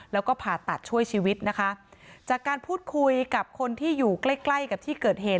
แล้วก็ผ่าตัดช่วยชีวิตนะคะจากการพูดคุยกับคนที่อยู่ใกล้ใกล้กับที่เกิดเหตุ